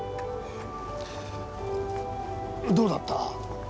どうだった？